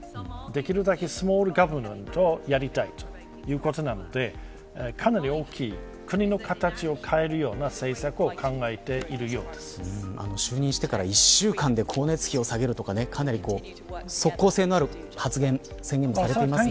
できるだけスモールガバメントをやりたいということなのでかなり大きい、国の形を変えるような就任して１週間で光熱費を下げるとかかなり即効性のある発言宣言をされています。